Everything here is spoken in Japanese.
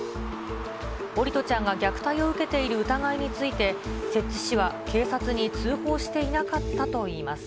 桜利斗ちゃんが虐待を受けている疑いについて、摂津市は警察に通報していなかったといいます。